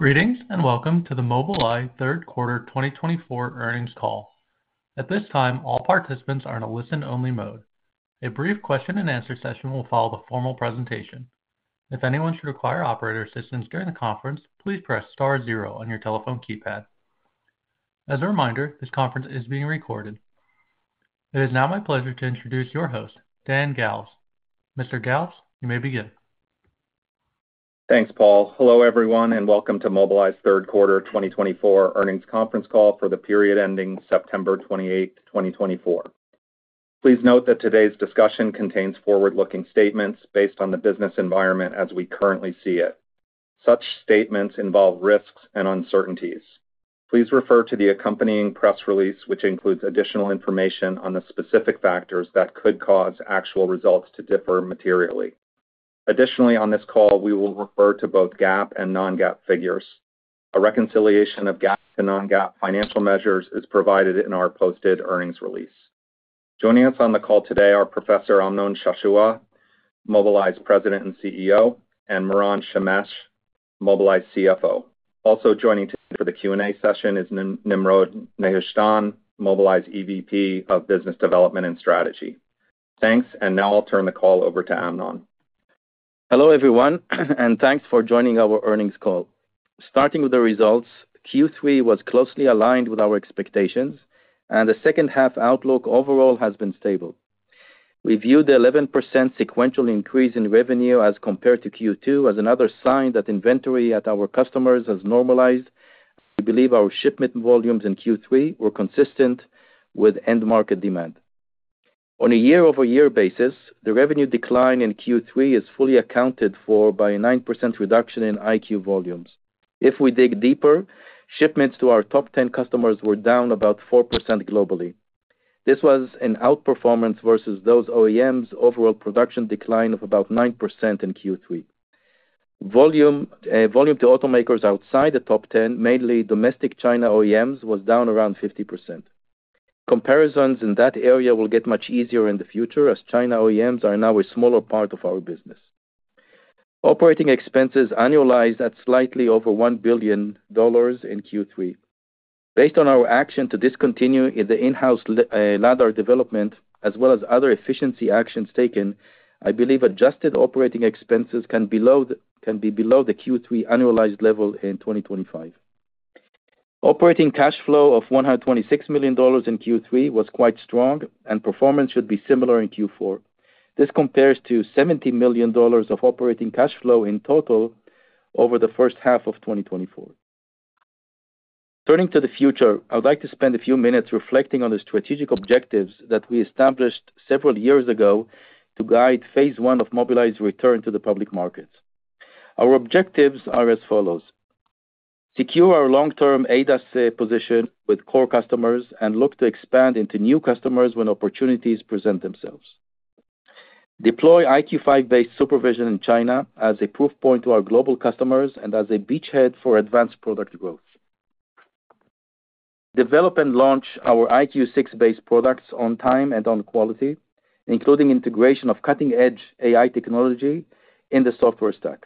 Greetings and welcome to the Mobileye Q3 2024 earnings call. At this time, all participants are in a listen-only mode. A brief Q&A session will follow the formal presentation. If anyone should require operator assistance during the conference, please press star zero on your telephone keypad. As a reminder, this conference is being recorded. It is now my pleasure to introduce your host, Dan Galves. Mr. Galves, you may begin. Thanks, Paul. Hello everyone, and welcome to Mobileye Q3 2024 earnings conference call for the period ending September 28, 2024. Please note that today's discussion contains forward-looking statements based on the business environment as we currently see it. Such statements involve risks and uncertainties. Please refer to the accompanying press release, which includes additional information on the specific factors that could cause actual results to differ materially. Additionally, on this call, we will refer to both GAAP and non-GAAP figures. A reconciliation of GAAP to non-GAAP financial measures is provided in our posted earnings release. Joining us on the call today are Professor Amnon Shashua, Mobileye's President and CEO, and Moran Shemesh, Mobileye's CFO. Also joining today for the Q&A session is Nimrod Nehushtan, Mobileye's EVP of Business Development and Strategy. Thanks, and now I'll turn the call over to Amnon. Hello everyone, and thanks for joining our earnings call. Starting with the results, Q3 was closely aligned with our expectations, and the second-half outlook overall has been stable. We view the 11% sequential increase in revenue as compared to Q2 as another sign that inventory at our customers has normalized. We believe our shipment volumes in Q3 were consistent with end-market demand. On a year-over-year basis, the revenue decline in Q3 is fully accounted for by a 9% reduction in EyeQ volumes. If we dig deeper, shipments to our top 10 customers were down about 4% globally. This was an outperformance versus those OEMs' overall production decline of about 9% in Q3. Volume to automakers outside the top 10, mainly domestic China OEMs, was down around 50%. Comparisons in that area will get much easier in the future as China OEMs are now a smaller part of our business. Operating expenses annualized at slightly over $1 billion in Q3. Based on our action to discontinue the in-house LiDAR development, as well as other efficiency actions taken, I believe adjusted operating expenses can be below the Q3 annualized level in 2025. Operating cash flow of $126 million in Q3 was quite strong, and performance should be similar in Q4. This compares to $70 million of operating cash flow in total over the first half of 2024. Turning to the future, I would like to spend a few minutes reflecting on the strategic objectives that we established several years ago to guide Phase I of Mobileye's return to the public markets. Our objectives are as follows: secure our long-term ADAS position with core customers and look to expand into new customers when opportunities present themselves. Deploy EyeQ5-based SuperVision in China as a proof point to our global customers and as a beachhead for advanced product growth. Develop and launch our EyeQ6-based products on time and on quality, including integration of cutting-edge AI technology in the software stack.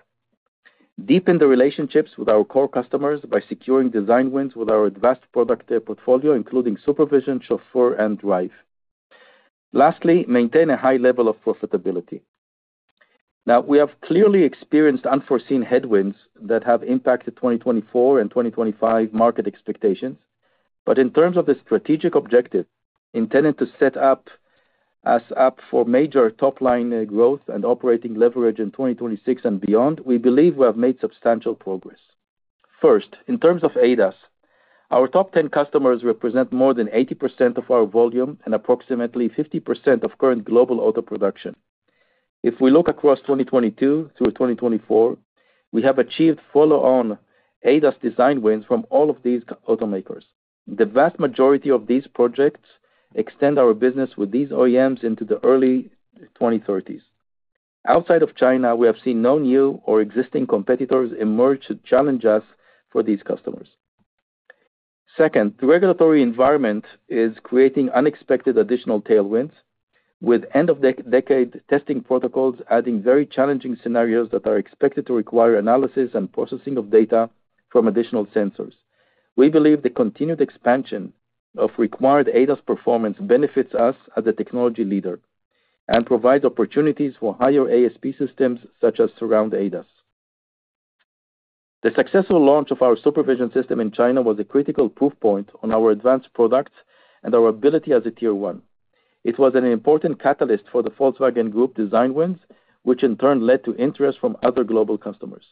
Deepen the relationships with our core customers by securing design wins with our advanced product portfolio, including SuperVision, Chauffeur, and Drive. Lastly, maintain a high level of profitability. Now, we have clearly experienced unforeseen headwinds that have impacted 2024 and 2025 market expectations, but in terms of the strategic objective intended to set up for major top-line growth and operating leverage in 2026 and beyond, we believe we have made substantial progress. First, in terms of ADAS, our top 10 customers represent more than 80% of our volume and approximately 50% of current global auto production. If we look across 2022 through 2024, we have achieved follow-on ADAS design wins from all of these automakers. The vast majority of these projects extend our business with these OEMs into the early 2030s. Outside of China, we have seen no new or existing competitors emerge to challenge us for these customers. Second, the regulatory environment is creating unexpected additional tailwinds, with end-of-decade testing protocols adding very challenging scenarios that are expected to require analysis and processing of data from additional sensors. We believe the continued expansion of required ADAS performance benefits us as a technology leader and provides opportunities for higher ASP systems such as Surround ADAS. The successful launch of our SuperVision system in China was a critical proof point on our advanced products and our ability as a Tier 1. It was an important catalyst for the Volkswagen Group design wins, which in turn led to interest from other global customers.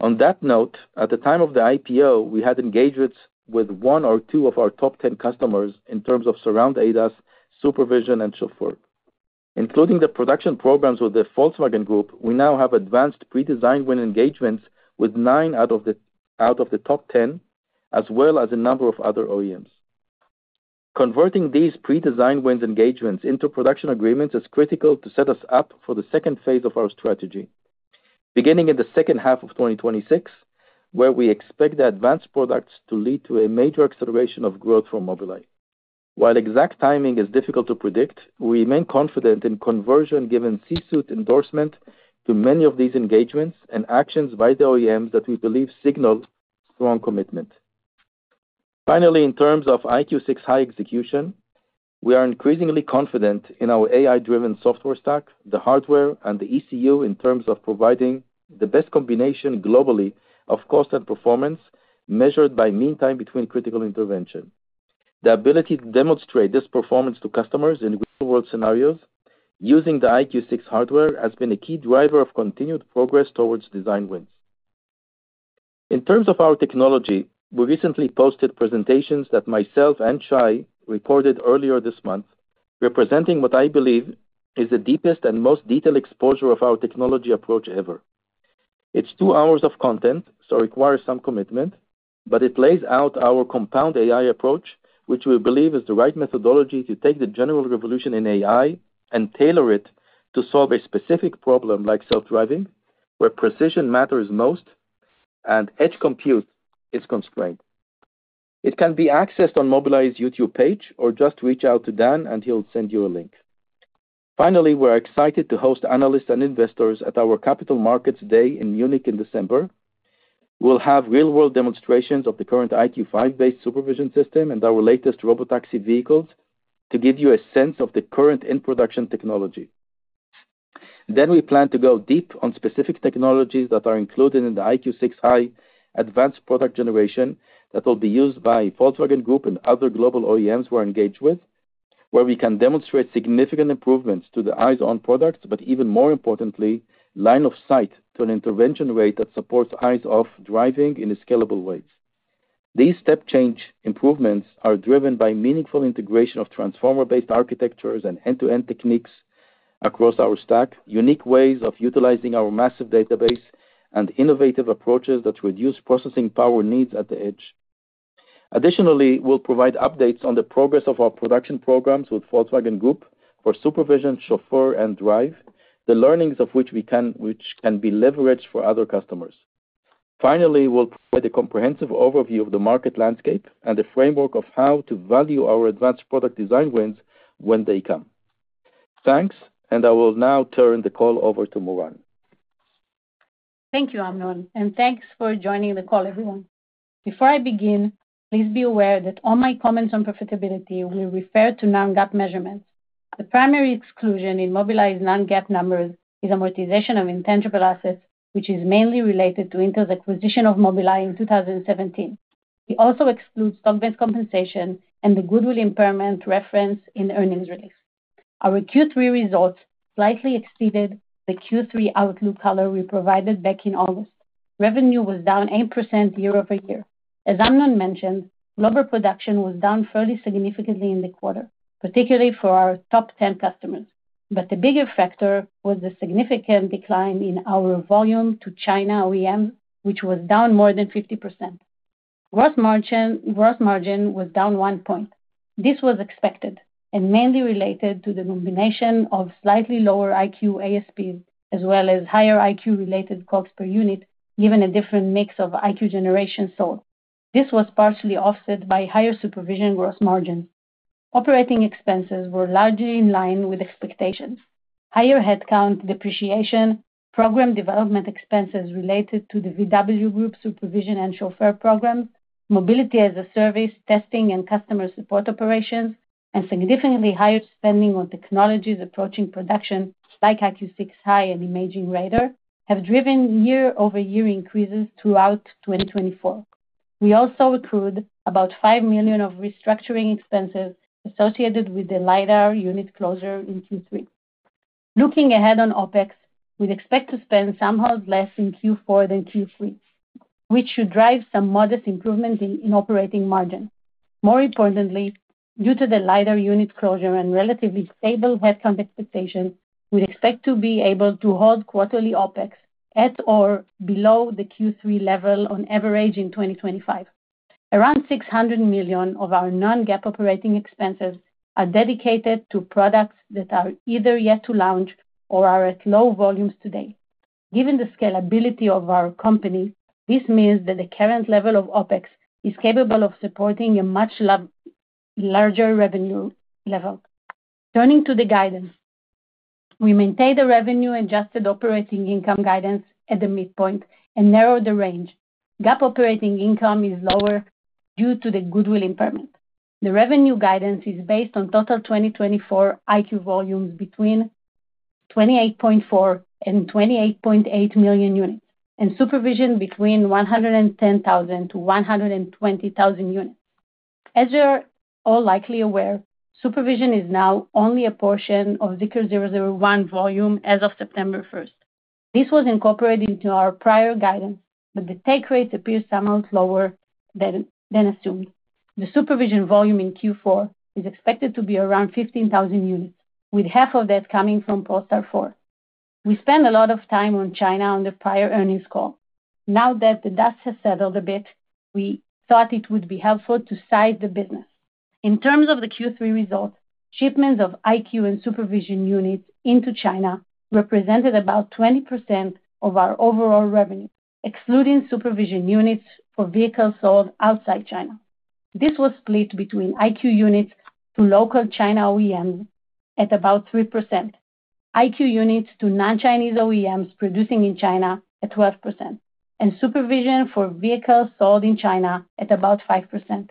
On that note, at the time of the IPO, we had engagements with one or two of our top 10 customers in terms of Surround ADAS, SuperVision, and Chauffeur. Including the production programs with the Volkswagen Group, we now have advanced pre-design win engagements with nine out of the top 10, as well as a number of other OEMs. Converting these pre-design win engagements into production agreements is critical to set us up for the second phase of our strategy, beginning in the second half of 2026, where we expect the advanced products to lead to a major acceleration of growth for Mobileye. While exact timing is difficult to predict, we remain confident in conversion given C-Suite endorsement to many of these engagements and actions by the OEMs that we believe signal strong commitment. Finally, in terms of EyeQ6 high execution, we are increasingly confident in our AI-driven software stack, the hardware, and the ECU in terms of providing the best combination globally of cost and performance measured by mean time between critical intervention. The ability to demonstrate this performance to customers in real-world scenarios using the EyeQ6 hardware has been a key driver of continued progress towards design wins. In terms of our technology, we recently posted presentations that myself and Shai reported earlier this month, representing what I believe is the deepest and most detailed exposure of our technology approach ever. It's two hours of content, so it requires some commitment, but it lays out our compound AI approach, which we believe is the right methodology to take the general revolution in AI and tailor it to solve a specific problem like self-driving, where precision matters most and edge compute is constrained. It can be accessed on Mobileye's YouTube page or just reach out to Dan and he'll send you a link. Finally, we're excited to host analysts and investors at our Capital Markets Day in Munich in December. We'll have real-world demonstrations of the current EyeQ5-based SuperVision system and our latest robotaxi vehicles to give you a sense of the current in-production technology. Then we plan to go deep on specific technologies that are included in the EyeQ6 High advanced product generation that will be used by Volkswagen Group and other global OEMs we're engaged with, where we can demonstrate significant improvements to the eyes-on products, but even more importantly, line of sight to an intervention rate that supports eyes-off driving in scalable ways. These step-change improvements are driven by meaningful integration of transformer-based architectures and end-to-end techniques across our stack, unique ways of utilizing our massive database, and innovative approaches that reduce processing power needs at the edge. Additionally, we'll provide updates on the progress of our production programs with Volkswagen Group for SuperVision, Chauffeur, and Drive, the learnings of which can be leveraged for other customers. Finally, we'll provide a comprehensive overview of the market landscape and the framework of how to value our advanced product design wins when they come. Thanks, and I will now turn the call over to Moran. Thank you, Amnon, and thanks for joining the call, everyone. Before I begin, please be aware that all my comments on profitability will refer to non-GAAP measurements. The primary exclusion in Mobileye's non-GAAP numbers is amortization of intangible assets, which is mainly related to Intel's acquisition of Mobileye in 2017. We also exclude stock-based compensation and the goodwill impairment referenced in the earnings release. Our Q3 results slightly exceeded the Q3 outlook color we provided back in August. Revenue was down 8% year-over-year. As Amnon mentioned, global production was down fairly significantly in the quarter, particularly for our top 10 customers, but the bigger factor was the significant decline in our volume to China OEMs, which was down more than 50%. Gross margin was down one point. This was expected and mainly related to the combination of slightly lower EyeQ ASPs as well as higher EyeQ-related cost per unit given a different mix of EyeQ generation sold. This was partially offset by higher SuperVision gross margins. Operating expenses were largely in line with expectations. Higher headcount depreciation, program development expenses related to the VW Group SuperVision and chauffeur programs, mobility as a service, testing and customer support operations, and significantly higher spending on technologies approaching production like EyeQ6 high and imaging radar have driven year-over-year increases throughout 2024. We also accrued about $5 million of restructuring expenses associated with the LiDAR unit closure in Q3. Looking ahead on OpEx, we'd expect to spend somehow less in Q4 than Q3, which should drive some modest improvement in operating margin. More importantly, due to the LiDAR unit closure and relatively stable headcount expectations, we'd expect to be able to hold quarterly OpEx at or below the Q3 level on average in 2025. Around $600 million of our non-GAAP operating expenses are dedicated to products that are either yet to launch or are at low volumes today. Given the scalability of our company, this means that the current level of OpEx is capable of supporting a much larger revenue level. Turning to the guidance, we maintain the revenue-adjusted operating income guidance at the midpoint and narrow the range. GAAP operating income is lower due to the goodwill impairment. The revenue guidance is based on total 2024 EyeQ volumes between 28.4 and 28.8 million units and SuperVision between 110,000 to 120,000 units. As you're all likely aware, SuperVision is now only a portion of ZEEKR 001 volume as of September 1st. This was incorporated into our prior guidance, but the take rates appear somehow lower than assumed. The SuperVision volume in Q4 is expected to be around 15,000 units, with half of that coming from Polestar 4. We spent a lot of time on China on the prior earnings call. Now that the dust has settled a bit, we thought it would be helpful to size the business. In terms of the Q3 results, shipments of EyeQ and SuperVision units into China represented about 20% of our overall revenue, excluding SuperVision units for vehicles sold outside China. This was split between EyeQ units to local China OEMs at about 3%, EyeQ units to non-Chinese OEMs producing in China at 12%, and SuperVision for vehicles sold in China at about 5%.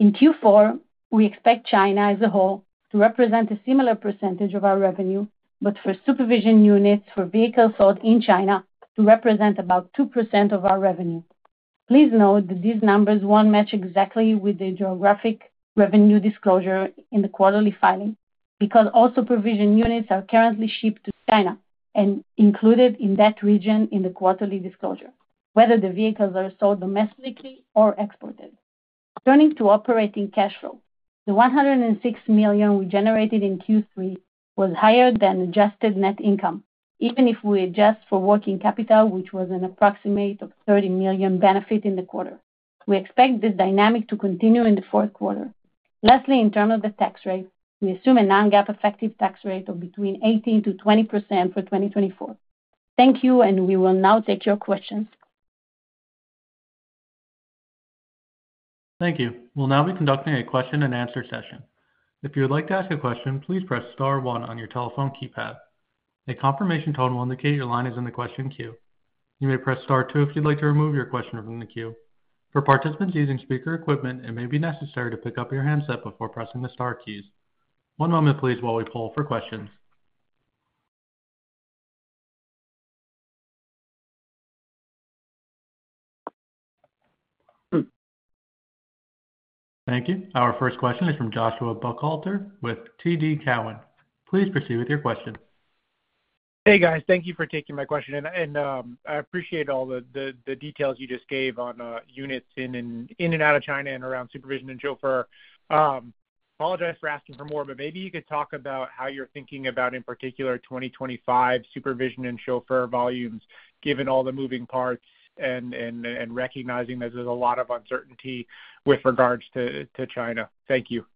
In Q4, we expect China as a whole to represent a similar percentage of our revenue, but for SuperVision units for vehicles sold in China to represent about 2% of our revenue. Please note that these numbers won't match exactly with the geographic revenue disclosure in the quarterly filing because all SuperVision units are currently shipped to China and included in that region in the quarterly disclosure, whether the vehicles are sold domestically or exported. Turning to operating cash flow, the $106 million we generated in Q3 was higher than adjusted net income, even if we adjust for working capital, which was an approximate $30 million benefit in the quarter. We expect this dynamic to continue in the Q4. Lastly, in terms of the tax rate, we assume a non-GAAP effective tax rate of between 18% to 20% for 2024. Thank you, and we will now take your questions. Thank you. We'll now be conducting a Q&A session. If you would like to ask a question, please press Star 1 on your telephone keypad. A confirmation tone will indicate your line is in the question queue. You may press Star 2 if you'd like to remove your question from the queue. For participants using speaker equipment, it may be necessary to pick up your handset before pressing the Star keys. One moment, please, while we poll for questions. Thank you. Our first question is from Joshua Buchalter with TD Cowen. Please proceed with your question. Hey, guys. Thank you for taking my question. And I appreciate all the details you just gave on units in and out of China and around SuperVision and chauffeur. I apologize for asking for more, but maybe you could talk about how you're thinking about, in particular, 2025 SuperVision and chauffeur volumes, given all the moving parts and recognizing there's a lot of uncertainty with regards to China. Thank you.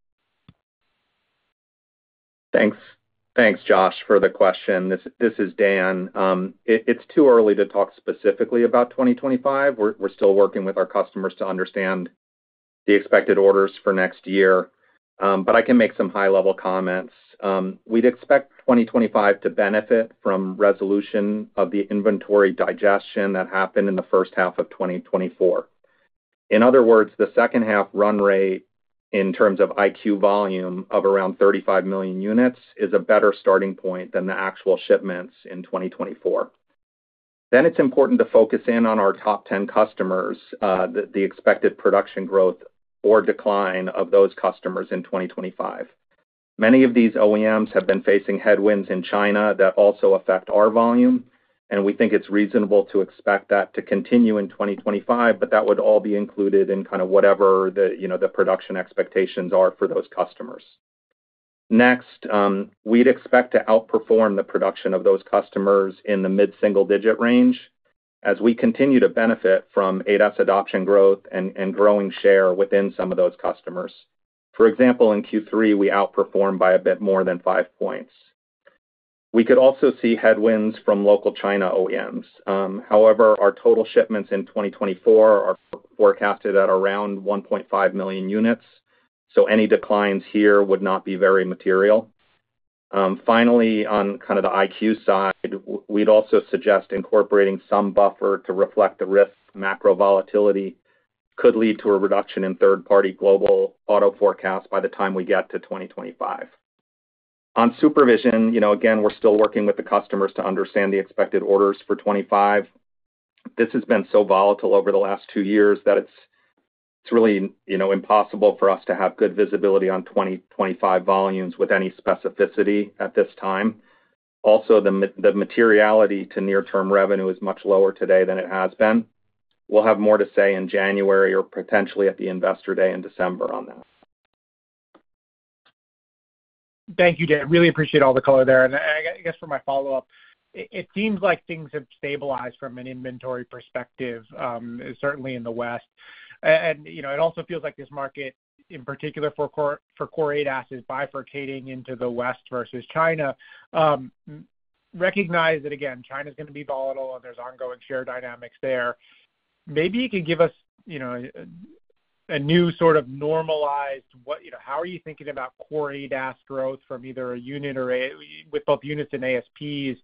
Thanks. Thanks, Josh, for the question. This is Dan. It's too early to talk specifically about 2025. We're still working with our customers to understand the expected orders for next year, but I can make some high-level comments. We'd expect 2025 to benefit from resolution of the inventory digestion that happened in the first half of 2024. In other words, the second-half run rate in terms of EyeQ volume of around 35 million units is a better starting point than the actual shipments in 2024. Then it's important to focus in on our top 10 customers, the expected production growth or decline of those customers in 2025. Many of these OEMs have been facing headwinds in China that also affect our volume, and we think it's reasonable to expect that to continue in 2025, but that would all be included in kind of whatever the production expectations are for those customers. Next, we'd expect to outperform the production of those customers in the mid-single-digit range as we continue to benefit from ADAS adoption growth and growing share within some of those customers. For example, in Q3, we outperformed by a bit more than 5 points. We could also see headwinds from local China OEMs. However, our total shipments in 2024 are forecasted at around 1.5 million units, so any declines here would not be very material. Finally, on kind of the EyeQ side, we'd also suggest incorporating some buffer to reflect the risk macro volatility could lead to a reduction in third-party global auto forecast by the time we get to 2025. On SuperVision, again, we're still working with the customers to understand the expected orders for 2025. This has been so volatile over the last two years that it's really impossible for us to have good visibility on 2025 volumes with any specificity at this time. Also, the materiality to near-term revenue is much lower today than it has been. We'll have more to say in January or potentially at the investor day in December on that. Thank you, Dan. Really appreciate all the color there. And I guess for my follow-up, it seems like things have stabilized from an inventory perspective, certainly in the West. And it also feels like this market, in particular for Core ADAS, is bifurcating into the West versus China. Recognize that, again, China's going to be volatile and there's ongoing share dynamics there. Maybe you can give us a new sort of normalized how are you thinking about Core ADAS growth from either a unit or with both units and ASPs,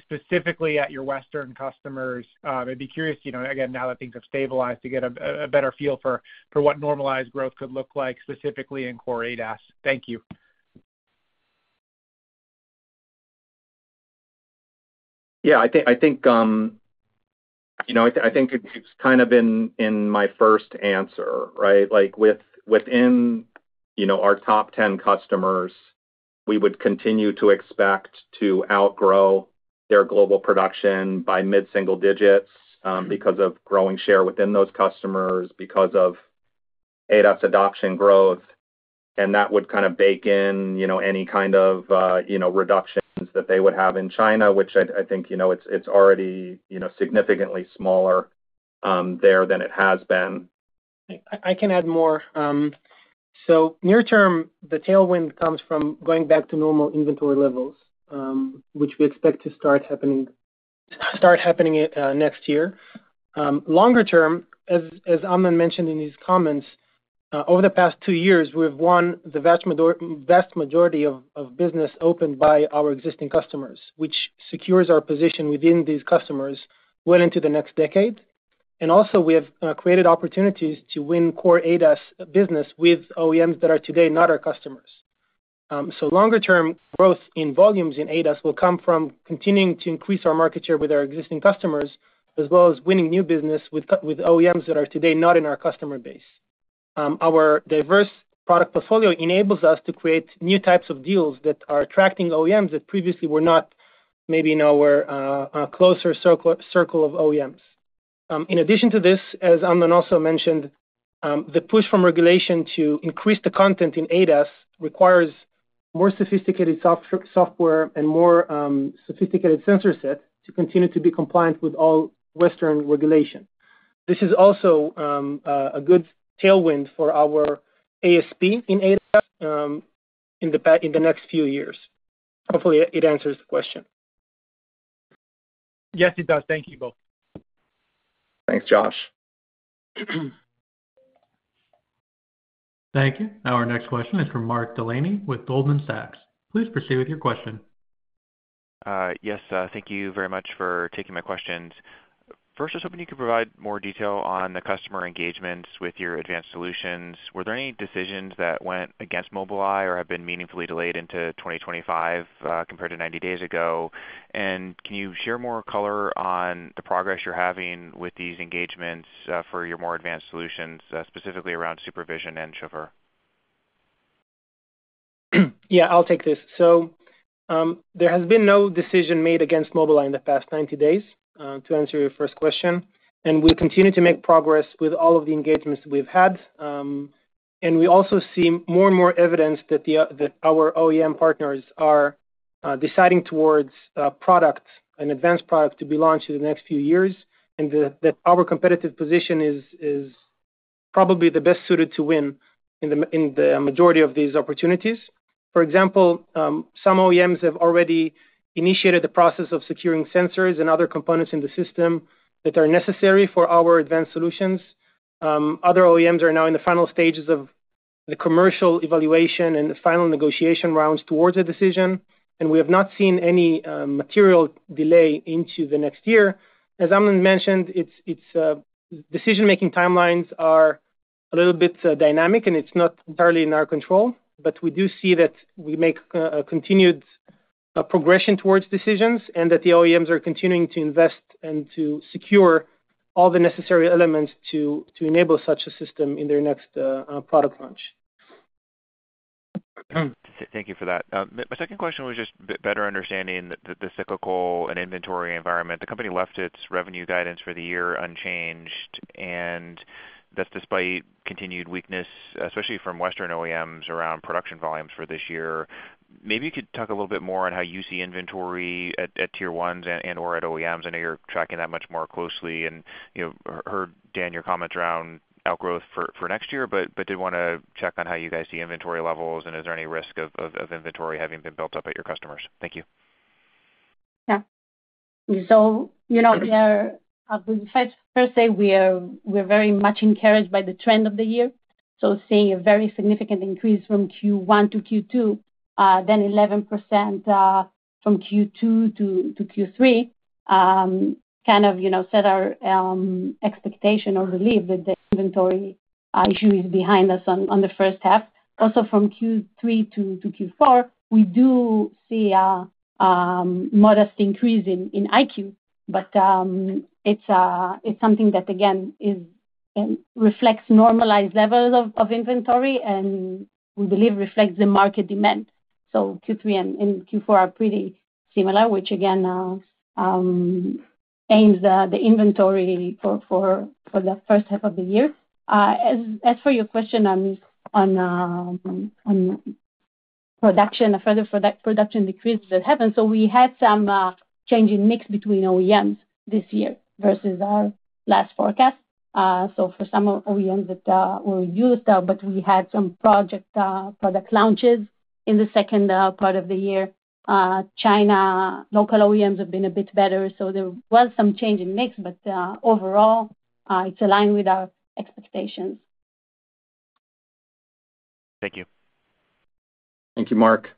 specifically at your Western customers? I'd be curious, again, now that things have stabilized, to get a better feel for what normalized growth could look like, specifically in Core ADAS. Thank you. Yeah, I think it's kind of in my first answer, right? Within our top 10 customers, we would continue to expect to outgrow their global production by mid-single digits because of growing share within those customers, because of ADAS adoption growth, and that would kind of bake in any kind of reductions that they would have in China, which I think it's already significantly smaller there than it has been. I can add more. So near-term, the tailwind comes from going back to normal inventory levels, which we expect to start happening next year. Longer-term, as Amnon mentioned in his comments, over the past two years, we've won the vast majority of business opened by our existing customers, which secures our position within these customers well into the next decade. And also, we have created opportunities to win core ADAS business with OEMs that are today not our customers. So longer-term growth in volumes in ADAS will come from continuing to increase our market share with our existing customers, as well as winning new business with OEMs that are today not in our customer base. Our diverse product portfolio enables us to create new types of deals that are attracting OEMs that previously were not maybe in our closer circle of OEMs. In addition to this, as Amnon also mentioned, the push from regulation to increase the content in ADAS requires more sophisticated software and more sophisticated sensor sets to continue to be compliant with all Western regulation. This is also a good tailwind for our ASP in ADAS in the next few years. Hopefully, it answers the question. Yes, it does. Thank you both. Thanks, Josh. Thank you. Our next question is from Mark Delaney with Goldman Sachs. Please proceed with your question. Yes, thank you very much for taking my questions. First, I was hoping you could provide more detail on the customer engagements with your advanced solutions. Were there any decisions that went against Mobileye or have been meaningfully delayed into 2025 compared to 90 days ago? And can you share more color on the progress you're having with these engagements for your more advanced solutions, specifically around SuperVision and chauffeur? Yeah, I'll take this. So there has been no decision made against Mobileye in the past 90 days, to answer your first question. And we'll continue to make progress with all of the engagements we've had. And we also see more and more evidence that our OEM partners are deciding towards a product, an advanced product, to be launched in the next few years, and that our competitive position is probably the best suited to win in the majority of these opportunities. For example, some OEMs have already initiated the process of securing sensors and other components in the system that are necessary for our advanced solutions. Other OEMs are now in the final stages of the commercial evaluation and the final negotiation rounds towards a decision. And we have not seen any material delay into the next year. As Amnon mentioned, decision-making timelines are a little bit dynamic, and it's not entirely in our control, but we do see that we make a continued progression towards decisions and that the OEMs are continuing to invest and to secure all the necessary elements to enable such a system in their next product launch. Thank you for that. My second question was just better understanding the cyclical and inventory environment. The company left its revenue guidance for the year unchanged, and that's despite continued weakness, especially from Western OEMs, around production volumes for this year. Maybe you could talk a little bit more on how you see inventory at tier ones and/or at OEMs. I know you're tracking that much more closely and heard, Dan, your comments around outgrowth for next year, but did want to check on how you guys see inventory levels and is there any risk of inventory having been built up at your customers? Thank you. Yeah. So first, I say we're very much encouraged by the trend of the year. So seeing a very significant increase from Q1 to Q2, then 11% from Q2 to Q3 kind of set our expectation or believe that the inventory issue is behind us on the first half. Also, from Q3 to Q4, we do see a modest increase in EyeQ, but it's something that, again, reflects normalized levels of inventory and we believe reflects the market demand. So Q3 and Q4 are pretty similar, which again aligns the inventory for the first half of the year. As for your question on production, a further production decrease that happened. So we had some change in mix between OEMs this year versus our last forecast. So for some OEMs that were used, but we had some product launches in the second part of the year. China local OEMs have been a bit better. So there was some change in mix, but overall, it's aligned with our expectations. Thank you. Thank you, Mark.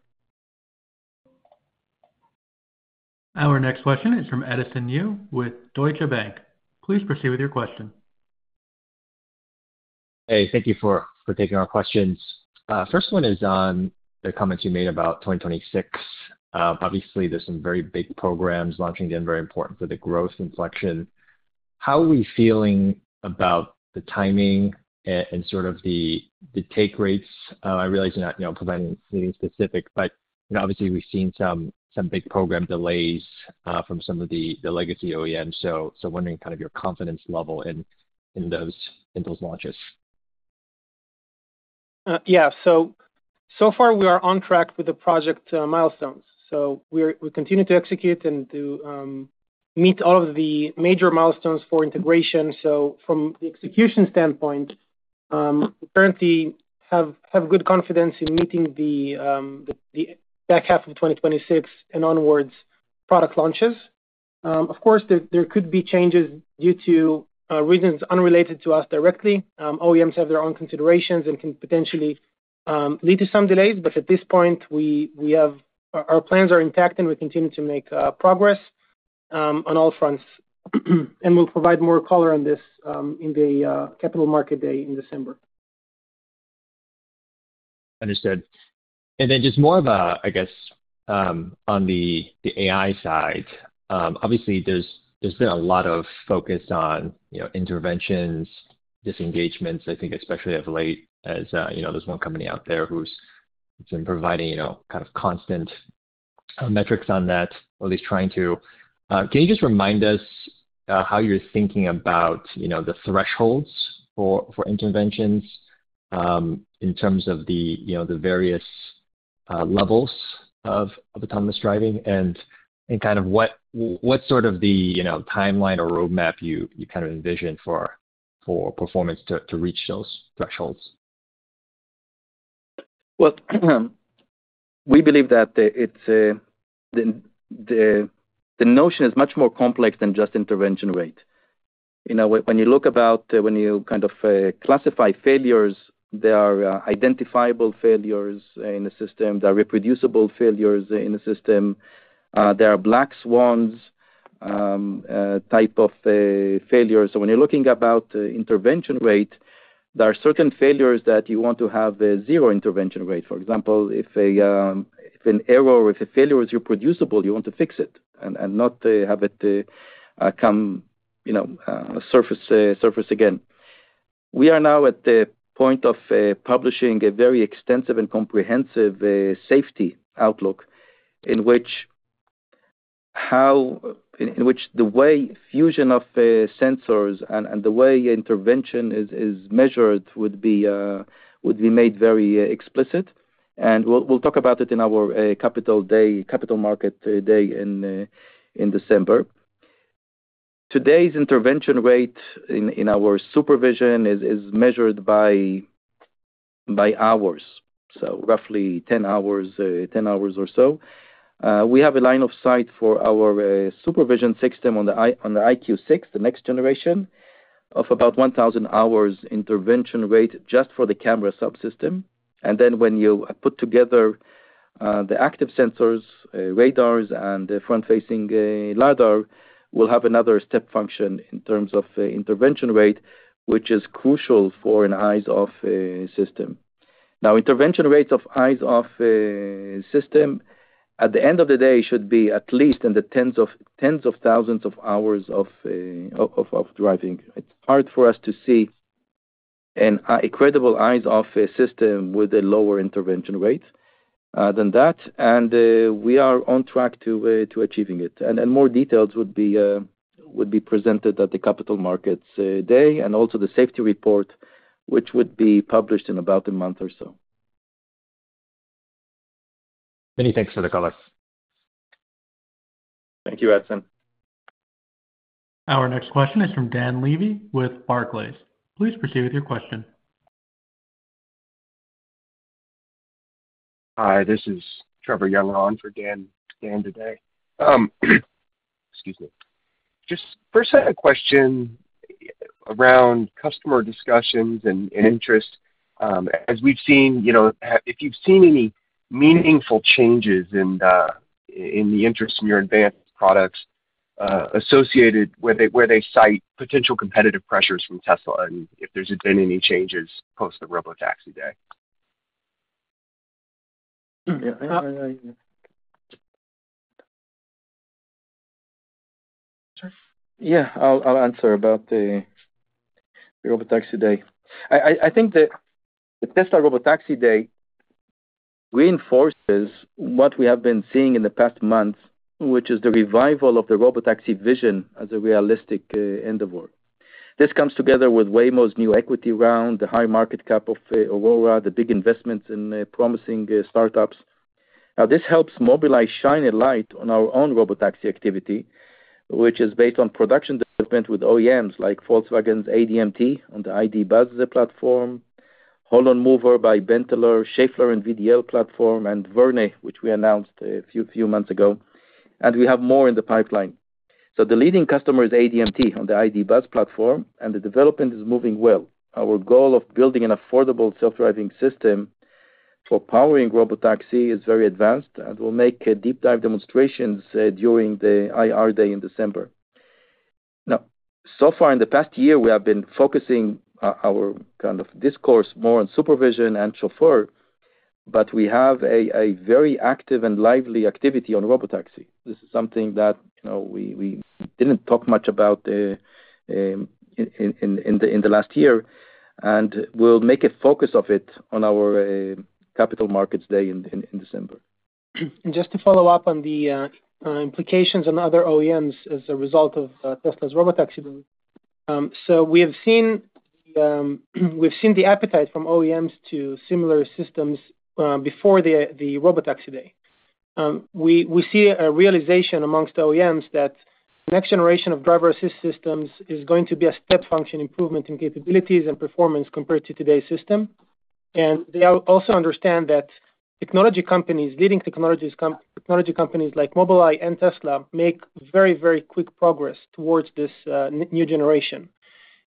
Our next question is from Edison Yu with Deutsche Bank. Please proceed with your question. Hey, thank you for taking our questions. First one is on the comments you made about 2026. Obviously, there's some very big programs launching to be very important for the growth inflection. How are we feeling about the timing and sort of the take rates? I realize you're not providing anything specific, but obviously, we've seen some big program delays from some of the legacy OEMs. So, wondering kind of your confidence level in those launches? Yeah. So far, we are on track with the project milestones. So we continue to execute and to meet all of the major milestones for integration. So from the execution standpoint, we currently have good confidence in meeting the back half of 2026 and onwards product launches. Of course, there could be changes due to reasons unrelated to us directly. OEMs have their own considerations and can potentially lead to some delays, but at this point, our plans are intact and we continue to make progress on all fronts. And we'll provide more color on this in the Capital Markets Day in December. Understood. And then just more of a, I guess, on the AI side. Obviously, there's been a lot of focus on interventions, disengagements, I think especially of late as there's one company out there who's been providing kind of constant metrics on that, or at least trying to. Can you just remind us how you're thinking about the thresholds for interventions in terms of the various levels of autonomous driving and kind of what sort of the timeline or roadmap you kind of envision for performance to reach those thresholds? We believe that the notion is much more complex than just intervention rate. When you look about when you kind of classify failures, there are identifiable failures in the system. There are reproducible failures in the system. There are black swans type of failures. So when you're looking about intervention rate, there are certain failures that you want to have a zero intervention rate. For example, if an error or if a failure is reproducible, you want to fix it and not have it come surface again. We are now at the point of publishing a very extensive and comprehensive safety outlook in which the way fusion of sensors and the way intervention is measured would be made very explicit. We'll talk about it in our capital market day in December. Today's intervention rate in our SuperVision is measured by hours, so roughly 10 hours or so. We have a line of sight for our SuperVision system on the EyeQ6, the next generation of about 1,000 hours intervention rate just for the camera subsystem. And then when you put together the active sensors, radars, and the front-facing LiDAR, we'll have another step function in terms of intervention rate, which is crucial for an eyes-off system. Now, intervention rates of eyes-off system at the end of the day should be at least in the tens of thousands of hours of driving. It's hard for us to see a viable eyes-off system with a lower intervention rate than that. And we are on track to achieving it. And more details would be presented at the Capital Markets Day and also the safety report, which would be published in about a month or so. Many thanks for the color. Thank you, Edison. Our next question is from Dan Levy with Barclays. Please proceed with your question. Hi, this is Trevor Young on for Dan today. Excuse me. Just first, I had a question around customer discussions and interest. As we've seen, if you've seen any meaningful changes in the interest in your advanced products associated where they cite potential competitive pressures from Tesla and if there's been any changes post the Robotaxi day. Yeah, I'll answer about the Robotaxi day. I think that the Tesla Robotaxi day reinforces what we have been seeing in the past months, which is the revival of the Robotaxi vision as a realistic end of work. This comes together with Waymo's new equity round, the high market cap of Aurora, the big investments in promising startups. Now, this helps mobilize shiny light on our own Robotaxi activity, which is based on production development with OEMs like Volkswagen's ADMT on the ID. Buzz platform, HOLON Mover by BENTELER, Schaeffler and VDL platform, and Verne, which we announced a few months ago. And we have more in the pipeline. So the leading customer is ADMT on the ID. Buzz platform, and the development is moving well. Our goal of building an affordable self-driving system for powering Robotaxi is very advanced and will make deep-dive demonstrations during the IR day in December. Now, so far in the past year, we have been focusing our kind of discourse more on SuperVision and chauffeur, but we have a very active and lively activity on Robotaxi. This is something that we didn't talk much about in the last year, and we'll make a focus of it on our capital markets day in December. And just to follow up on the implications on other OEMs as a result of Tesla's Robotaxi day. So we have seen the appetite from OEMs to similar systems before the Robotaxi day. We see a realization amongst OEMs that the next generation of driver-assist systems is going to be a step function improvement in capabilities and performance compared to today's system. And they also understand that technology companies, leading technology companies like Mobileye and Tesla, make very, very quick progress towards this new generation.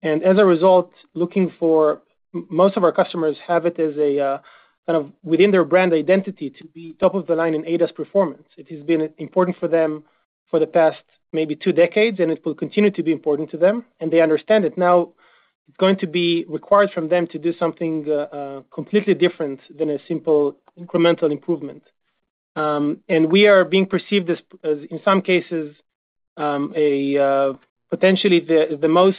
And as a result, looking for most of our customers have it as a kind of within their brand identity to be top of the line in ADAS performance. It has been important for them for the past maybe two decades, and it will continue to be important to them. And they understand that now it's going to be required from them to do something completely different than a simple incremental improvement. And we are being perceived as, in some cases, potentially the most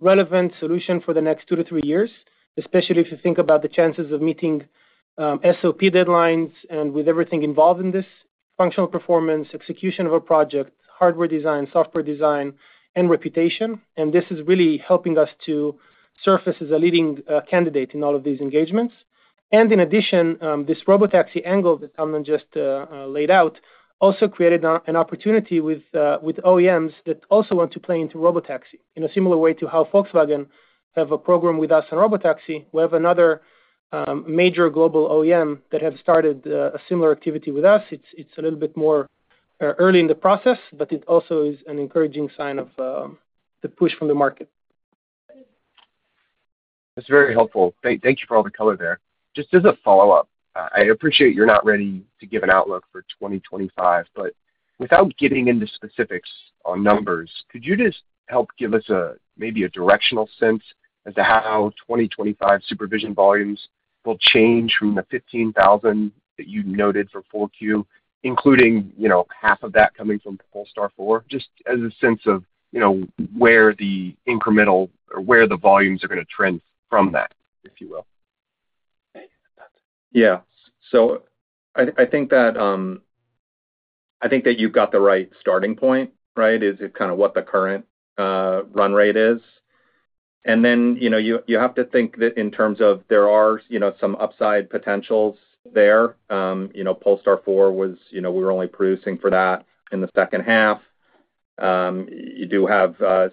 relevant solution for the next two to three years, especially if you think about the chances of meeting SOP deadlines and with everything involved in this functional performance, execution of a project, hardware design, software design, and reputation. And this is really helping us to surface as a leading candidate in all of these engagements. And in addition, this Robotaxi angle that Amnon just laid out also created an opportunity with OEMs that also want to play into Robotaxi in a similar way to how Volkswagen have a program with us on Robotaxi. We have another major global OEM that has started a similar activity with us. It's a little bit more early in the process, but it also is an encouraging sign of the push from the market. That's very helpful. Thank you for all the color there. Just as a follow-up, I appreciate you're not ready to give an outlook for 2025, but without getting into specifics on numbers, could you just help give us maybe a directional sense as to how 2025 SuperVision volumes will change from the 15,000 that you noted for 4Q, including half of that coming from Polestar 4? Just as a sense of where the incremental or where the volumes are going to trend from that, if you will. Yeah. So I think that you've got the right starting point, right, is kind of what the current run rate is. And then you have to think that, in terms of, there are some upside potentials there. Polestar 4, we were only producing for that in the second half. You do have a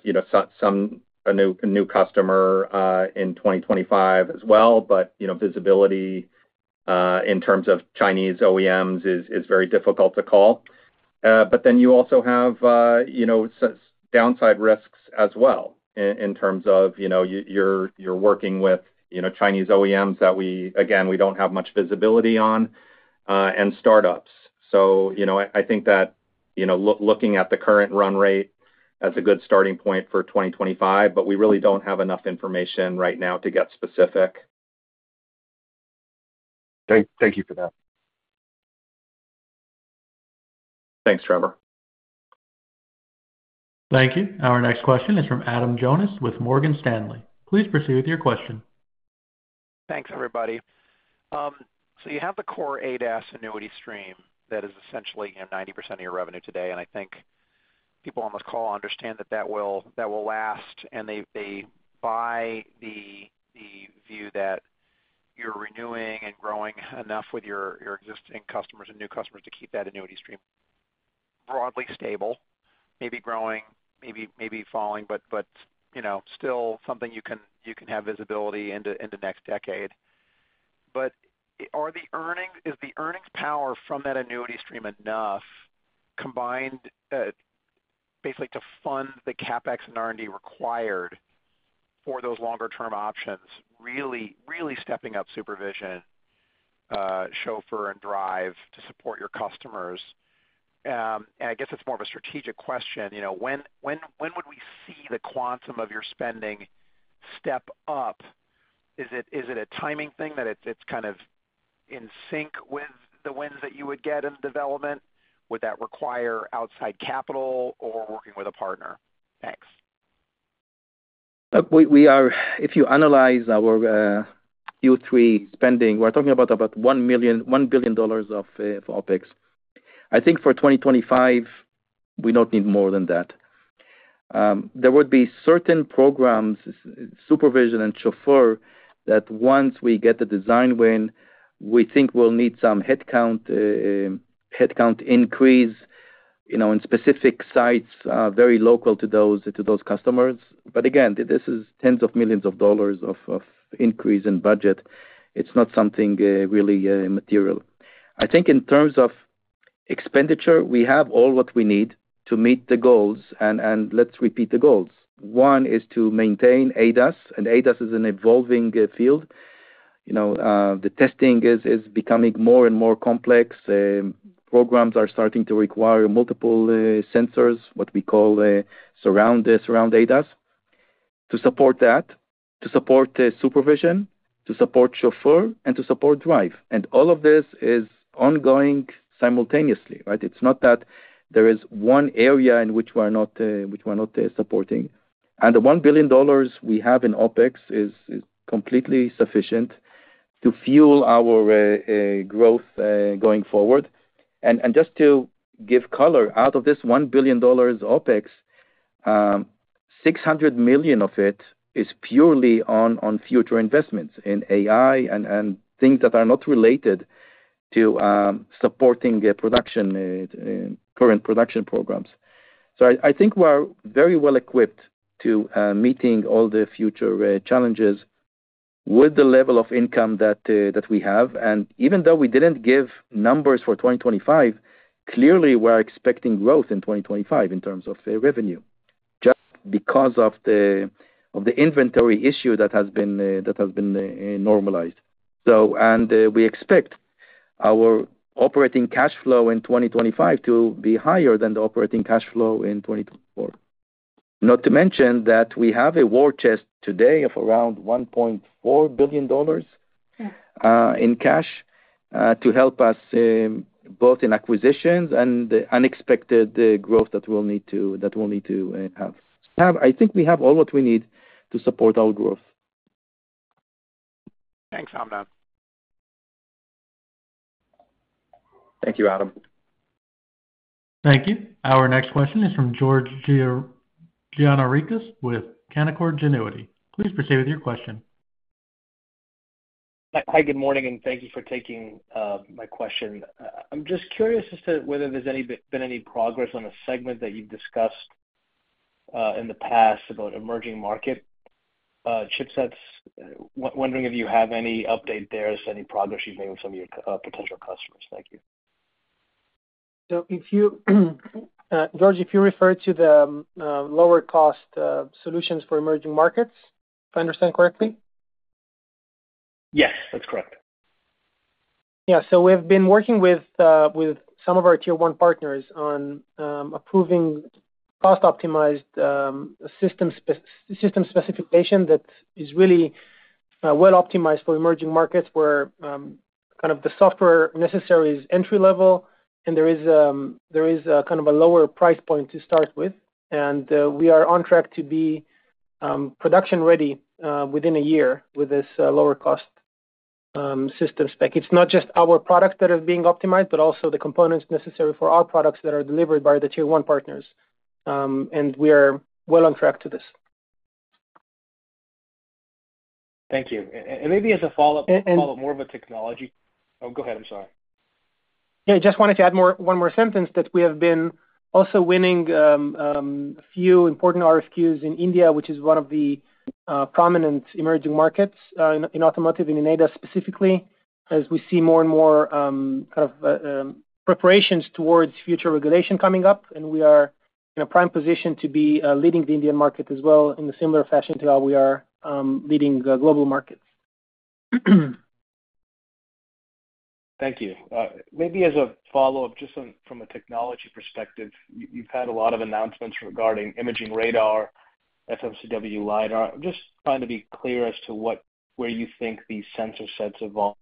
new customer in 2025 as well, but visibility in terms of Chinese OEMs is very difficult to call. But then you also have downside risks as well in terms of you're working with Chinese OEMs that, again, we don't have much visibility on and startups. So I think that looking at the current run rate as a good starting point for 2025, but we really don't have enough information right now to get specific. Thank you for that. Thanks, Trevor. Thank you. Our next question is from Adam Jonas with Morgan Stanley. Please proceed with your question. Thanks, everybody. So you have the core ADAS annuity stream that is essentially 90% of your revenue today. And I think people on this call understand that that will last, and they buy the view that you're renewing and growing enough with your existing customers and new customers to keep that annuity stream broadly stable, maybe growing, maybe falling, but still something you can have visibility into next decade. But is the earnings power from that annuity stream enough combined basically to fund the CapEx and R&D required for those longer-term options, really stepping up SuperVision, chauffeur, and drive to support your customers? And I guess it's more of a strategic question. When would we see the quantum of your spending step up? Is it a timing thing that it's kind of in sync with the wins that you would get in development? Would that require outside capital or working with a partner? Thanks. If you analyze our Q3 spending, we're talking about $1 billion of OpEx. I think for 2025, we don't need more than that. There would be certain programs, SuperVision and chauffeur, that once we get the design win, we think we'll need some headcount increase in specific sites very local to those customers. But again, this is tens of millions of dollars of increase in budget. It's not something really material. I think in terms of expenditure, we have all what we need to meet the goals. And let's repeat the goals. One is to maintain ADAS, and ADAS is an evolving field. The testing is becoming more and more complex. Programs are starting to require multiple sensors, what we call surround ADAS, to support that, to support SuperVision, to support chauffeur, and to support drive. And all of this is ongoing simultaneously, right? It's not that there is one area in which we are not supporting. And the $1 billion we have in OpEx is completely sufficient to fuel our growth going forward. And just to give color, out of this $1 billion OpEx, $600 million of it is purely on future investments in AI and things that are not related to supporting current production programs. So I think we're very well equipped to meeting all the future challenges with the level of income that we have. And even though we didn't give numbers for 2025, clearly we're expecting growth in 2025 in terms of revenue just because of the inventory issue that has been normalized. And we expect our operating cash flow in 2025 to be higher than the operating cash flow in 2024. Not to mention that we have a war chest today of around $1.4 billion in cash to help us both in acquisitions and the unexpected growth that we'll need to have. I think we have all what we need to support our growth. Thanks, Amnon. Thank you, Adam. Thank you. Our next question is from George Gianarikas with Canaccord Genuity. Please proceed with your question. Hi, good morning, and thank you for taking my question. I'm just curious as to whether there's been any progress on a segment that you've discussed in the past about emerging market chipsets. Wondering if you have any update there, any progress you've made with some of your potential customers. Thank you. So, George, if you refer to the lower-cost solutions for emerging markets, if I understand correctly? Yes, that's correct. Yeah. So we have been working with some of our tier-one partners on approving cost-optimized system specification that is really well optimized for emerging markets where kind of the software necessary is entry-level and there is kind of a lower price point to start with. And we are on track to be production-ready within a year with this lower-cost system spec. It's not just our products that are being optimized, but also the components necessary for our products that are delivered by the tier-one partners. And we are well on track to this. Thank you. And maybe as a follow-up, more of a technology. Oh, go ahead. I'm sorry. Yeah, I just wanted to add one more sentence that we have been also winning a few important RFQs in India, which is one of the prominent emerging markets in automotive and in ADAS specifically, as we see more and more kind of preparations towards future regulation coming up, and we are in a prime position to be leading the Indian market as well in a similar fashion to how we are leading global markets. Thank you. Maybe as a follow-up, just from a technology perspective, you've had a lot of announcements regarding imaging radar, FMCW LiDAR. I'm just trying to be clear as to where you think these sensor sets evolve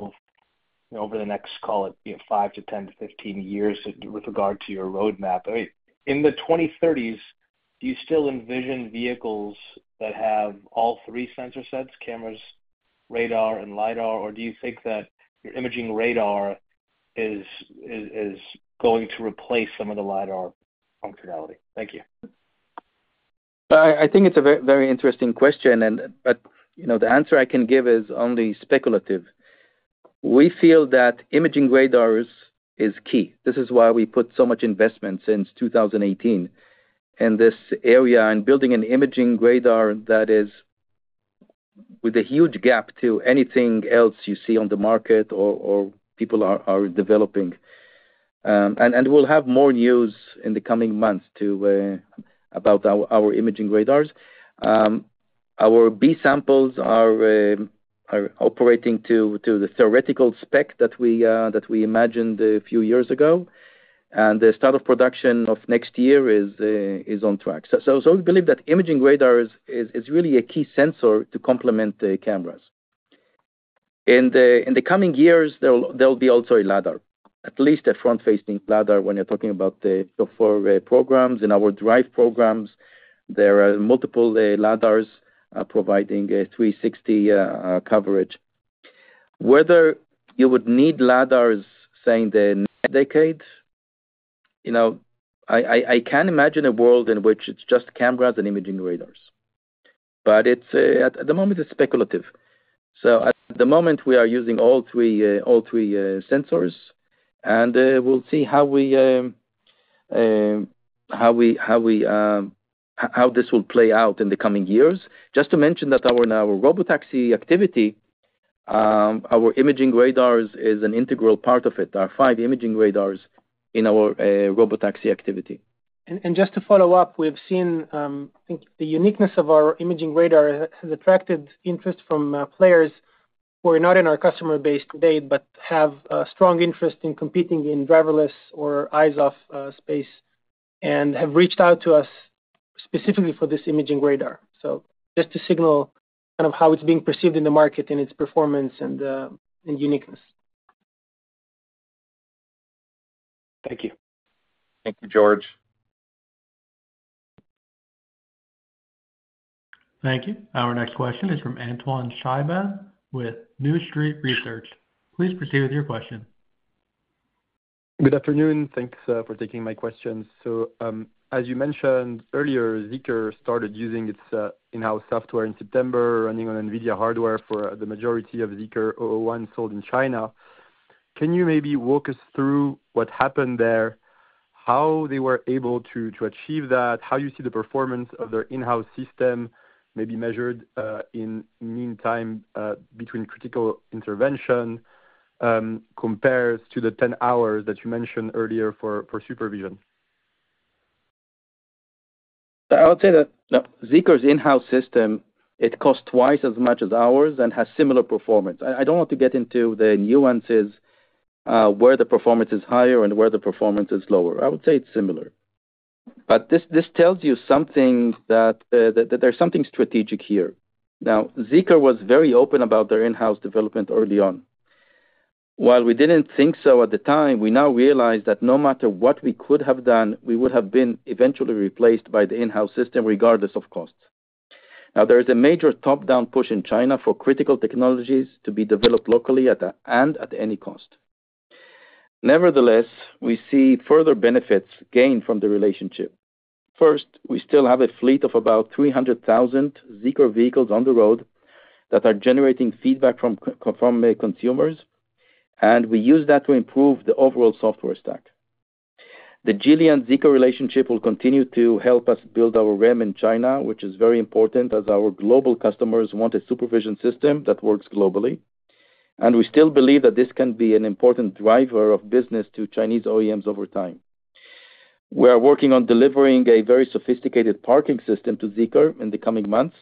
over the next, call it, five to 10 to 15 years with regard to your roadmap. In the 2030s, do you still envision vehicles that have all three sensor sets, cameras, radar, and LiDAR, or do you think that your imaging radar is going to replace some of the LiDAR functionality? Thank you. I think it's a very interesting question, but the answer I can give is only speculative. We feel that imaging radar is key. This is why we put so much investment since 2018 in this area and building an imaging radar that is with a huge gap to anything else you see on the market or people are developing, and we'll have more news in the coming months about our imaging radars. Our B samples are operating to the theoretical spec that we imagined a few years ago, and the start of production of next year is on track, so we believe that imaging radar is really a key sensor to complement the cameras. In the coming years, there will be also a LiDAR, at least a front-facing LiDAR when you're talking about the chauffeur programs and our drive programs. There are multiple LiDARs providing 360 coverage. Whether you would need LiDARs, say, in the next decade, I can imagine a world in which it's just cameras and imaging radars. But at the moment, it's speculative. So at the moment, we are using all three sensors, and we'll see how this will play out in the coming years. Just to mention that our Robotaxi activity, our imaging radar is an integral part of it. There are five imaging radars in our Robotaxi activity. Just to follow up, we've seen the uniqueness of our Imaging Radar has attracted interest from players who are not in our customer base today but have a strong interest in competing in driverless or eyes-off space and have reached out to us specifically for this Imaging Radar. Just to signal kind of how it's being perceived in the market and its performance and uniqueness. Thank you. Thank you, George. Thank you. Our next question is from Antoine Chkaiban with New Street Research. Please proceed with your question. Good afternoon. Thanks for taking my questions. So as you mentioned earlier, Zeekr started using its in-house software in September, running on NVIDIA hardware for the majority of ZEEKR 001 sold in China. Can you maybe walk us through what happened there, how they were able to achieve that, how you see the performance of their in-house system maybe measured in mean time between critical intervention compared to the 10 hours that you mentioned earlier for SuperVision? I would say that Zeekr's in-house system, it costs twice as much as ours and has similar performance. I don't want to get into the nuances where the performance is higher and where the performance is lower. I would say it's similar. But this tells you something that there's something strategic here. Now, Zeekr was very open about their in-house development early on. While we didn't think so at the time, we now realize that no matter what we could have done, we would have been eventually replaced by the in-house system regardless of cost. Now, there is a major top-down push in China for critical technologies to be developed locally and at any cost. Nevertheless, we see further benefits gained from the relationship. First, we still have a fleet of about 300,000 Zeekr vehicles on the road that are generating feedback from consumers, and we use that to improve the overall software stack. The Geely Zeekr relationship will continue to help us build our REM in China, which is very important as our global customers want a SuperVision system that works globally. And we still believe that this can be an important driver of business to Chinese OEMs over time. We are working on delivering a very sophisticated parking system to Zeekr in the coming months.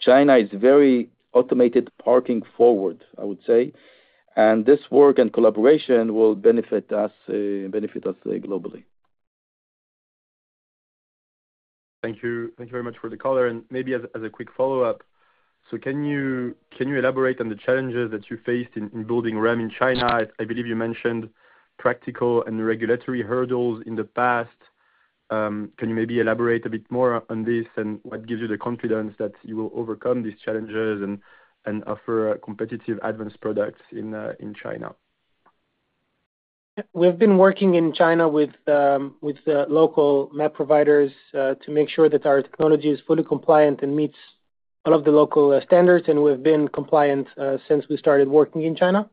China is very automated parking forward, I would say. And this work and collaboration will benefit us globally. Thank you very much for the call, and maybe as a quick follow-up, so can you elaborate on the challenges that you faced in building REM in China? I believe you mentioned practical and regulatory hurdles in the past. Can you maybe elaborate a bit more on this and what gives you the confidence that you will overcome these challenges and offer competitive advanced products in China? We've been working in China with local map providers to make sure that our technology is fully compliant and meets all of the local standards, and we've been compliant since we started working in China,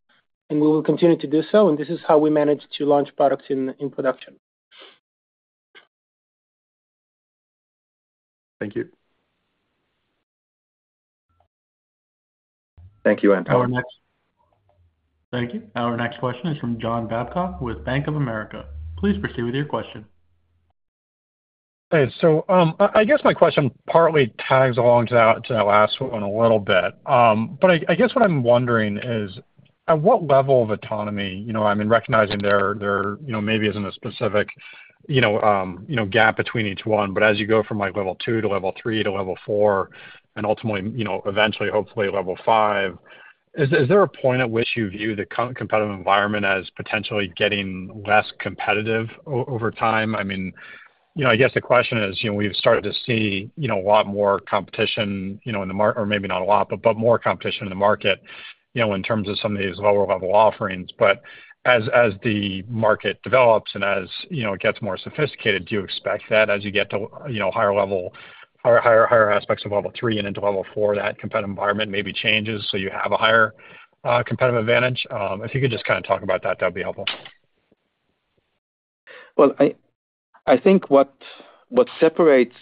and we will continue to do so, and this is how we managed to launch products in production. Thank you. Thank you, Antoine. Thank you. Our next question is from John Babcock with Bank of America. Please proceed with your question. So I guess my question partly tags along to that last one a little bit. But I guess what I'm wondering is at what level of autonomy, I mean, recognizing there maybe isn't a specific gap between each one, but as you go from level two to level three to level four, and ultimately, eventually, hopefully, level five, is there a point at which you view the competitive environment as potentially getting less competitive over time? I mean, I guess the question is we've started to see a lot more competition in the market, or maybe not a lot, but more competition in the market in terms of some of these lower-level offerings. But as the market develops and as it gets more sophisticated, do you expect that as you get to higher level, higher aspects of Level 3 and into Level 4, that competitive environment maybe changes so you have a higher competitive advantage? If you could just kind of talk about that, that would be helpful. I think what separates,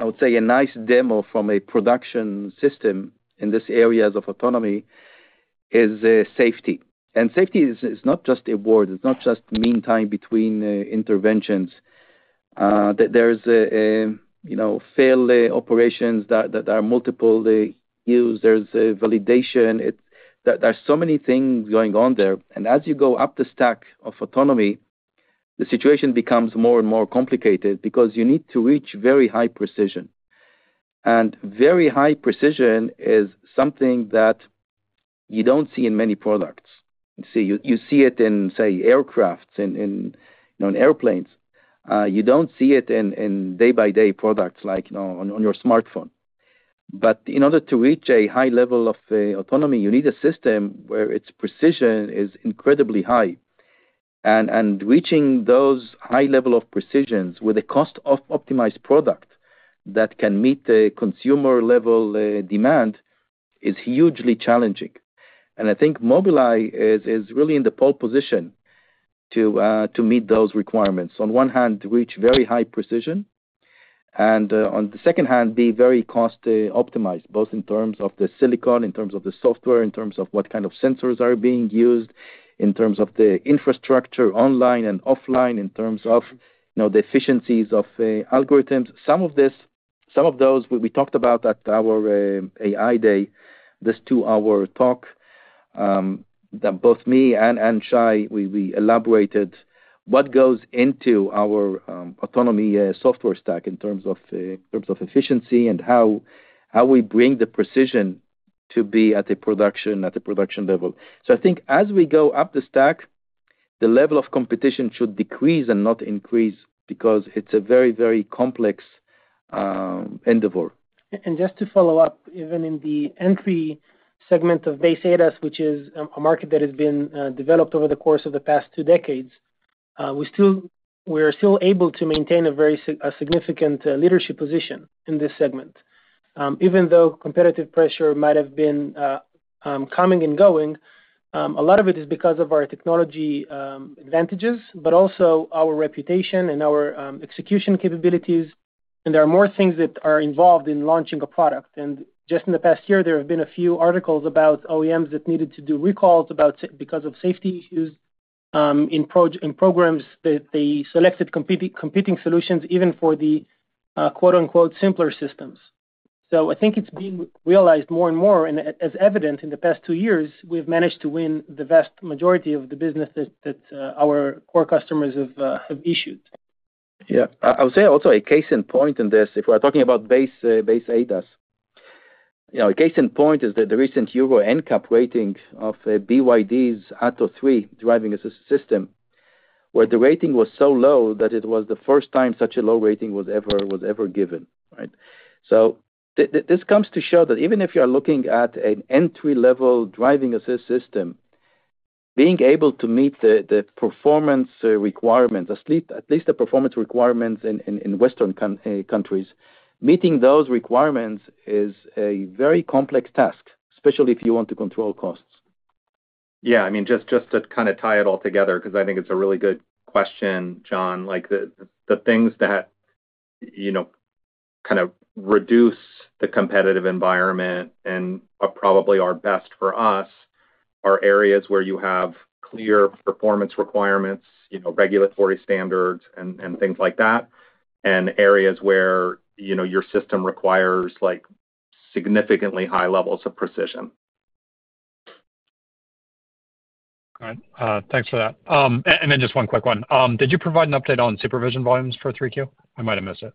I would say, a nice demo from a production system in this area of autonomy is safety. And safety is not just a word. It's not just mean time between interventions. There's failed operations that are multiple users. There's validation. There are so many things going on there. And as you go up the stack of autonomy, the situation becomes more and more complicated because you need to reach very high precision. And very high precision is something that you don't see in many products. You see it in, say, aircraft, in airplanes. You don't see it in day-to-day products like on your smartphone. But in order to reach a high level of autonomy, you need a system where its precision is incredibly high. And reaching those high levels of precision with a cost-optimized product that can meet the consumer-level demand is hugely challenging. I think Mobileye is really in the pole position to meet those requirements. On one hand, reach very high precision. And on the second hand, be very cost-optimized, both in terms of the silicon, in terms of the software, in terms of what kind of sensors are being used, in terms of the infrastructure online and offline, in terms of the efficiencies of algorithms. Some of those we talked about at our AI Day, this two-hour talk that both me and Shai, we elaborated what goes into our autonomy software stack in terms of efficiency and how we bring the precision to be at a production level. So I think as we go up the stack, the level of competition should decrease and not increase because it's a very, very complex endeavor. And just to follow up, even in the entry segment of base ADAS, which is a market that has been developed over the course of the past two decades, we are still able to maintain a very significant leadership position in this segment. Even though competitive pressure might have been coming and going, a lot of it is because of our technology advantages, but also our reputation and our execution capabilities. And there are more things that are involved in launching a product. And just in the past year, there have been a few articles about OEMs that needed to do recalls because of safety issues in programs that they selected competing solutions even for the "simpler" systems. So I think it's been realized more and more. As evident in the past two years, we've managed to win the vast majority of the business that our core customers have issued. Yeah. I would say also a case in point in this, if we're talking about base ADAS, a case in point is that the recent Euro NCAP rating of BYD's Atto 3 driving assist system, where the rating was so low that it was the first time such a low rating was ever given. So this comes to show that even if you're looking at an entry-level driving assist system, being able to meet the performance requirements, at least the performance requirements in Western countries, meeting those requirements is a very complex task, especially if you want to control costs. Yeah. I mean, just to kind of tie it all together, because I think it's a really good question, John, the things that kind of reduce the competitive environment and are probably our best for us are areas where you have clear performance requirements, regulatory standards, and things like that, and areas where your system requires significantly high levels of precision. Thanks for that. And then just one quick one. Did you provide an update on SuperVision volumes for 3Q? I might have missed it.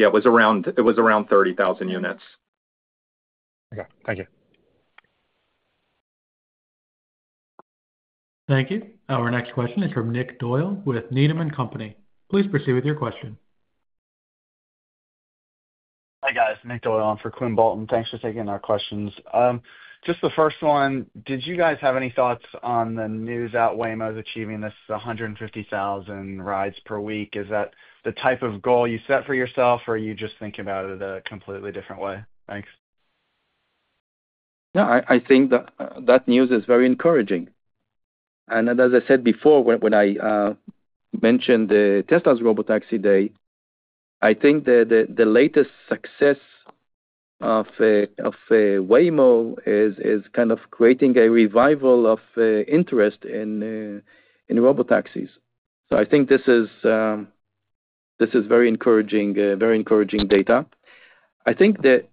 Yeah. It was around 30,000 units. Okay. Thank you. Thank you. Our next question is from Nick Doyle with Needham & Company. Please proceed with your question. Hi guys. Nick Doyle for Quinn Bolton. Thanks for taking our questions. Just the first one, did you guys have any thoughts on the news about Waymo achieving this 150,000 rides per week? Is that the type of goal you set for yourself, or are you just thinking about it in a completely different way? Thanks. No, I think that news is very encouraging. And as I said before, when I mentioned Tesla's Robotaxi Day, I think the latest success of Waymo is kind of creating a revival of interest in Robotaxis. So I think this is very encouraging data. I think that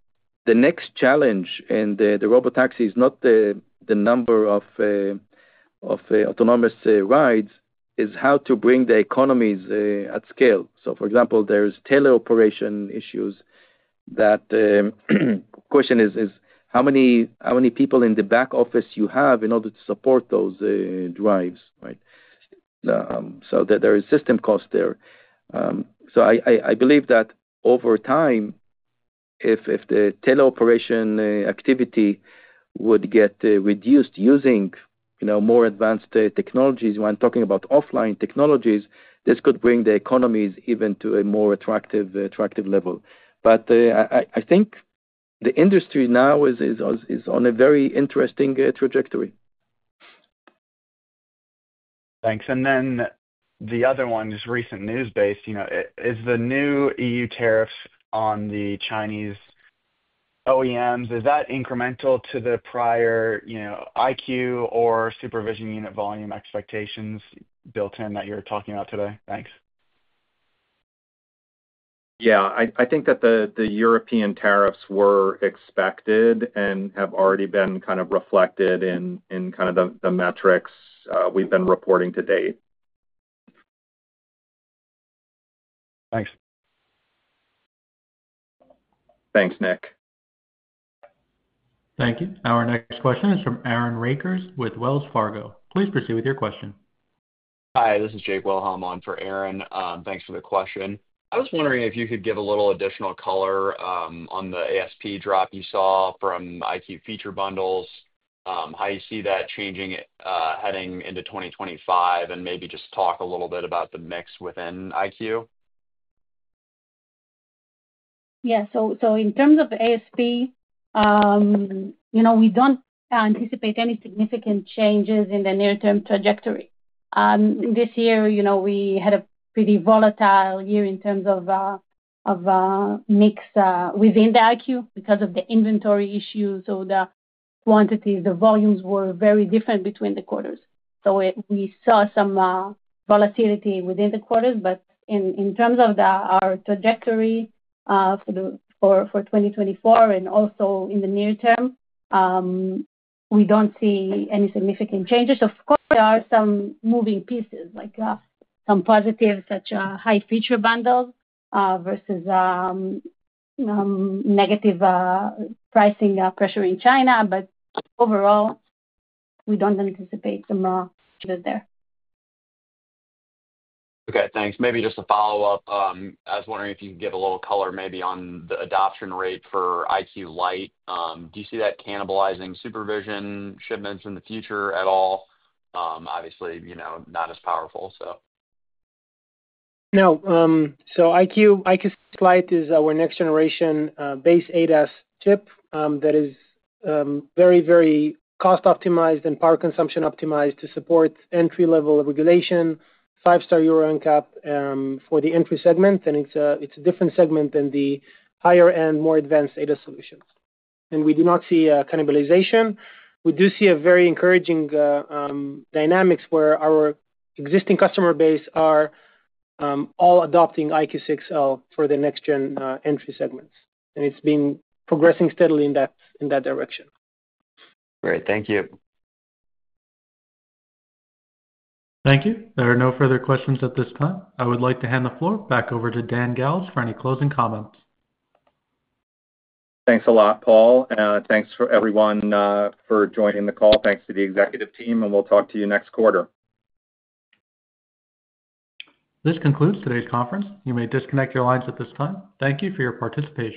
the next challenge in the Robotaxis, not the number of autonomous rides, is how to bring the economies of scale. So for example, there's teleoperation issues that the question is, how many people in the back office you have in order to support those drives? So there is system cost there. So I believe that over time, if the teleoperation activity would get reduced using more advanced technologies, when talking about offline technologies, this could bring the economies even to a more attractive level. But I think the industry now is on a very interesting trajectory. Thanks. And then the other one is recent news-based. Is the new E.U. tariffs on the Chinese OEMs, is that incremental to the prior EyeQ or SuperVision unit volume expectations built in that you're talking about today? Thanks. Yeah. I think that the European tariffs were expected and have already been kind of reflected in kind of the metrics we've been reporting to date. Thanks. Thanks, Nick. Thank you. Our next question is from Aaron Rakers with Wells Fargo. Please proceed with your question. Hi, this is Jake Wilhelm for Aaron. Thanks for the question. I was wondering if you could give a little additional color on the ASP drop you saw from EyeQ feature bundles, how you see that changing heading into 2025, and maybe just talk a little bit about the mix within EyeQ. Yeah. So in terms of ASP, we don't anticipate any significant changes in the near-term trajectory. This year, we had a pretty volatile year in terms of mix within the EyeQ because of the inventory issues. So the quantities, the volumes were very different between the quarters. So we saw some volatility within the quarters. But in terms of our trajectory for 2024 and also in the near term, we don't see any significant changes. Of course, there are some moving pieces, like some positives such as high feature bundles versus negative pricing pressure in China. But overall, we don't anticipate some changes there. Okay. Thanks. Maybe just a follow-up. I was wondering if you could give a little color maybe on the adoption rate for EyeQ Lite. Do you see that cannibalizing SuperVision shipments in the future at all? Obviously, not as powerful, so. No. So EyeQ6 Lite is our next-generation base ADAS chip that is very, very cost-optimized and power consumption optimized to support entry-level regulation, five-star Euro NCAP for the entry segment. And it's a different segment than the higher-end, more advanced ADAS solutions. And we do not see a cannibalization. We do see very encouraging dynamics where our existing customer base are all adopting EyeQ6 Lite for the next-gen entry segments. And it's been progressing steadily in that direction. Great. Thank you. Thank you. There are no further questions at this time. I would like to hand the floor back over to Dan Galves for any closing comments. Thanks a lot, Paul. Thanks for everyone for joining the call. Thanks to the executive team. And we'll talk to you next quarter. This concludes today's conference. You may disconnect your lines at this time. Thank you for your participation.